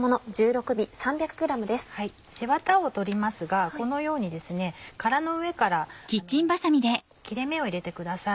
背ワタを取りますがこのように殻の上から切れ目を入れてください。